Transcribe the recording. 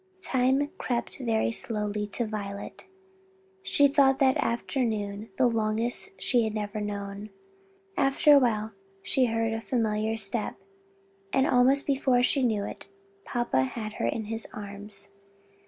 Time crept by very slowly to Violet. She thought that afternoon the longest she had ever known. After a while she heard a familiar step, and almost before she knew it papa had her in his arms.